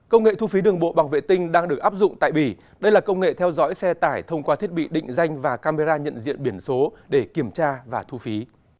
công nghệ thu phí đường bộ bằng vệ tinh đang được áp dụng tại bỉ đây là công nghệ theo dõi xe tải thông qua thiết bị định danh và camera nhận diện biển số để kiểm tra và thu phí